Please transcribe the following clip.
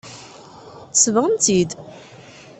Tsebɣem-tt-id.